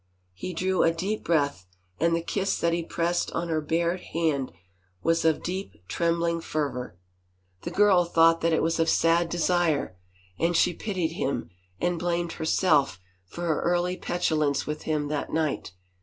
He drew a deep breath and the kiss that he pressed on her bared hand was of deep, trembling fervor. The girl thought 224 LADY ANNE ROCHFORD that it was of sad desire, and she pitied him and blamed herself for her early petulance with him that night.